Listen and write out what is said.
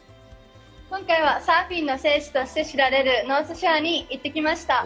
今回は、サーフィンの聖地として知られるノースショアに行ってきました。